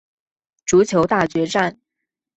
足球大决战！